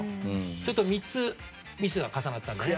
ちょっと３つミスが重なったのでね。